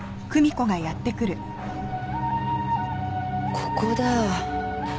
ここだ。